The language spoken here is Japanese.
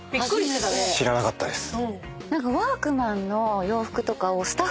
いや知らなかったです。